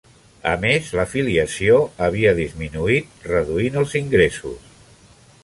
A més, la filiació havia disminuït, reduint els ingressos